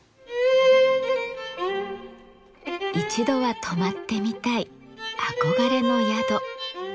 一度は泊まってみたい憧れの宿。